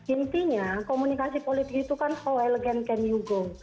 intinya komunikasi politik itu kan ho elegan can you go